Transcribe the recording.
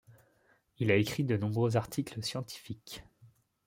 Il a écrit de nombreux articles scientifiques.